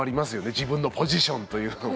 自分のポジションというのもね。